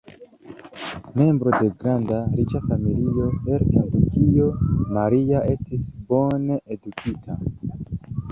Membro de granda, riĉa familio el Kentukio, Maria estis bone edukita.